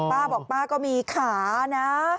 ป้าบอกป้าก็มีขานะ